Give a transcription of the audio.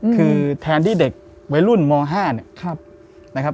คือแทนที่เด็กวัยรุ่นม๕เนี่ย